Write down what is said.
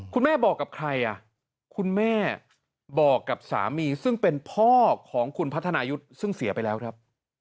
บอกกับใครอ่ะคุณแม่บอกกับสามีซึ่งเป็นพ่อของคุณพัฒนายุทธ์ซึ่งเสียไปแล้วครับ